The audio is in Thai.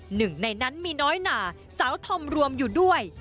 หนึ่งในนั้นมีน้อยหนาสาวธอมรวมอยู่ด้วย